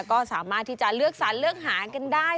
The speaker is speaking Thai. ก็สามารถที่จะเลือกสรรเลือกหางกันได้